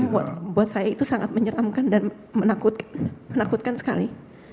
buat saya itu sangat menyeramkan dan menakutkan sekali